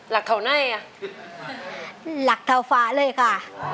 รักเท่าไหนอะรักเท่าฟ้าเลยค่ะ